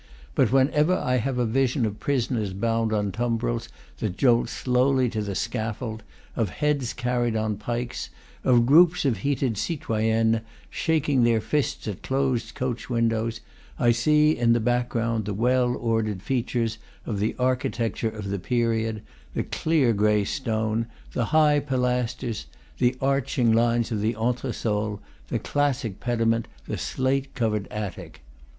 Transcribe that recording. But whenever I have a vision of prisoners bound on tumbrels that jolt slowly to the scaffold, of heads car ried on pikes, of groups of heated citoyennes shaking their fists at closed coach windows, I see in the back ground the well ordered features of the architecture of the period, the clear gray stone, the high pilasters, the arching lines of the entresol, the classic pediment, the slate covered attic.